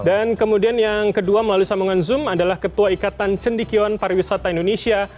dan kemudian yang kedua melalui sambungan zoom adalah ketua ikatan cendikion pariwisata indonesia